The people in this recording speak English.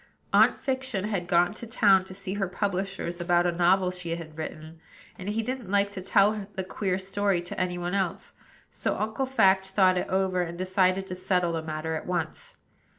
Aunt Fiction had gone to town to see her publishers about a novel she had written, and he didn't like to tell the queer story to any one else; so Uncle Fact thought it over, and decided to settle the matter at once.